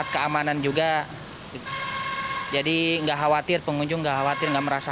harga yang maju datang dari industri asing apalagi desain warga yang esperta berhasil